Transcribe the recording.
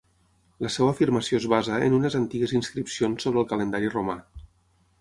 La seva afirmació es basa en unes antigues inscripcions sobre el calendari romà.